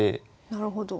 なるほど。